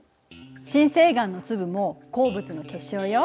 深成岩の粒も鉱物の結晶よ。